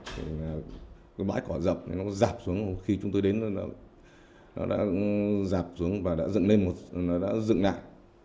cái bãi cỏ rập nó dạp xuống khi chúng tôi đến nó đã dạp xuống và đã dựng lại